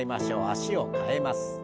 脚を替えます。